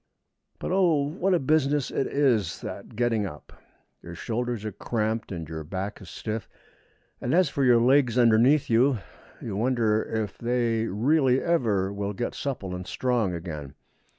But, oh, what a business it is, that getting up! Your shoulders are cramped and your back is stiff; and as for your legs underneath you, you wonder if they will really ever get supple and strong again.